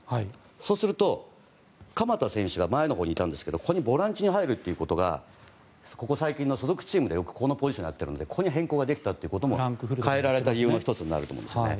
そうすると鎌田選手が前のほうにいたんですけどここにボランチに入ることがここ最近の所属チームでよく、このポジションをやっているのでここに変更ができたということも代えられた理由の１つになると思います。